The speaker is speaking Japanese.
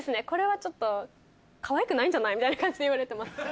これはちょっと「かわいくないんじゃない？」みたいな感じで言われてます